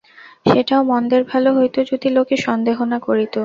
সেটাও মন্দের ভালো হইত যদি লোকে সন্দেহ না করিত।